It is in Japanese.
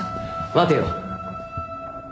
待てよ。